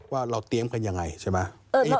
ว่าเราเตรียมกันยังไงใช่ไหม